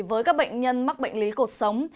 với các bệnh nhân mắc bệnh lý cuộc sống